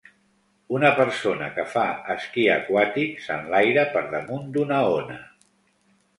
Una persona que fa esquí aquàtic s'enlaira per damunt d'una ona